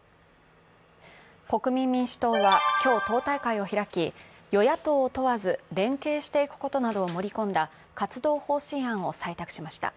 国民民主党は今日、党大会を開き与野党を問わず連携していくことなどを盛り込んだ活動方針案を採択しました。